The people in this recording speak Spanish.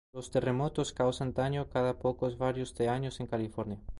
Los terremotos causan daño cada pocos a varios años en California.